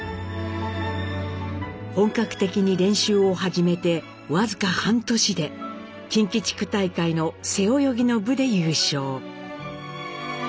本格的に練習を始めて僅か半年で近畿地区大会の背泳ぎの部で優勝。